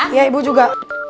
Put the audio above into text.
iya ibu juga